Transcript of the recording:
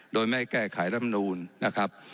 โดยไม่แก้ไขรำนูนนะครับ